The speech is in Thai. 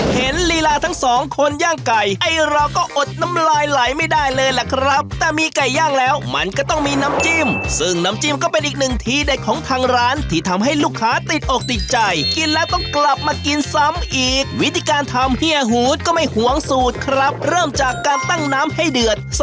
ลีลาทั้งสองคนย่างไก่ไอ้เราก็อดน้ำลายไหลไม่ได้เลยล่ะครับแต่มีไก่ย่างแล้วมันก็ต้องมีน้ำจิ้มซึ่งน้ำจิ้มก็เป็นอีกหนึ่งทีเด็ดของทางร้านที่ทำให้ลูกค้าติดอกติดใจกินแล้วต้องกลับมากินซ้ำอีกวิธีการทำเฮียหูดก็ไม่หวงสูตรครับเริ่มจากการตั้งน้ำให้เดือด